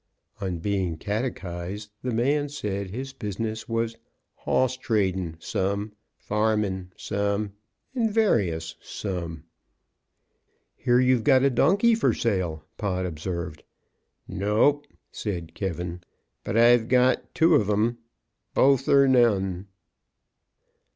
On being catechised, the man said his business was "hoss tradin' some, farmin' some, and various some." "Hear you've got a donkey for sale," Pod observed. "Nope," said K , "but I've got two of 'em. Sell both er none."